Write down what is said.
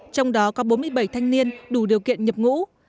trong đó có bốn mươi bảy thanh niên đủ điều kiện nhập ngũ